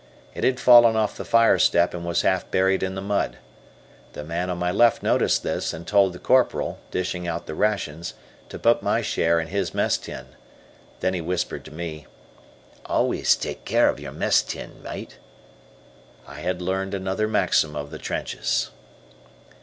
It had fallen off the fire step, and was half buried in the mud. The man on my left noticed this, and told the Corporal, dishing out the rations, to put my share in his mess tin. Then he whispered to me, "Always take care of your mess tin, mate." I had learned another maxim of the trenches.